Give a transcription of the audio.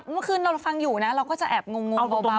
เมื่อคืนเราฟังอยู่นะเราก็จะแอบงงเบา